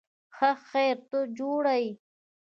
ښه خیر، ته جوړ یې؟